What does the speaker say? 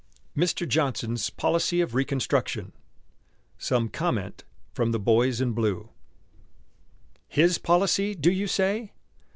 "MR. JOHNSON'S POLICY OF RECONSTRUCTION" SOME COMMENT FROM THE BOYS IN BLUE "His policy," do you say?